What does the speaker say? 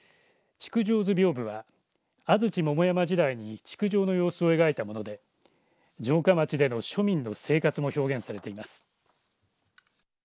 築城図屏風は安土桃山時代に築城の様子を描いたもので城下町での庶民の生活も表現されています。